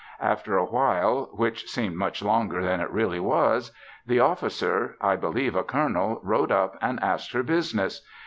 After a while, which seemed much longer than it really was, the officer (I believe a colonel) rode up and asked her business.